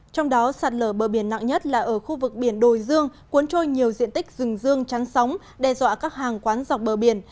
trong đó sạt lở bờ biển nặng nhất là ở khu vực biển đồi dương cuốn trôi nhiều diện tích rừng dương trắng sóng đe dọa các hàng quán dọc bờ biển